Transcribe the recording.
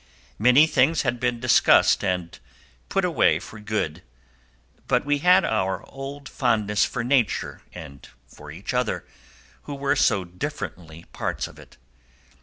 Many things had been discussed and put away for good, but we had our old fondness for nature and for each other, who were so differently parts of it.